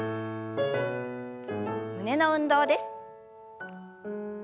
胸の運動です。